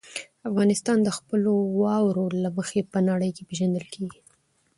افغانستان د خپلو واورو له مخې په نړۍ کې پېژندل کېږي.